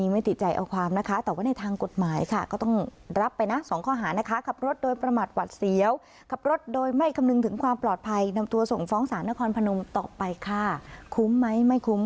ไม่ไม่ได้หมอน่ะปกติมันเป็นเตือนร่มอย่างนี้ใช่